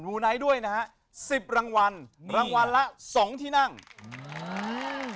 ไนท์ด้วยนะฮะสิบรางวัลรางวัลละสองที่นั่งอืม